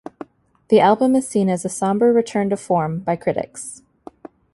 The album is seen as a sombre return to form by critics.